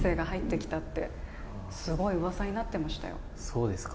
そうですか？